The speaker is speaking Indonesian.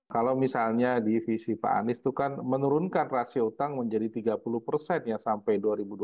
kalau misalnya divisi pak anies itu kan menurunkan rasio utang menjadi tiga puluh sampai dua ribu dua puluh sembilan